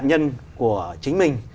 nạn nhân của chính mình